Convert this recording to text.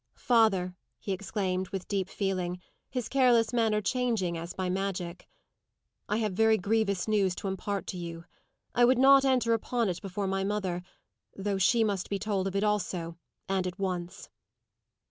"Father!" he exclaimed, with deep feeling, his careless manner changing as by magic: "I have very grievous news to impart to you. I would not enter upon it before my mother: though she must be told of it also, and at once."